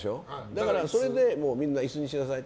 だからそれでみんな椅子にしなさい。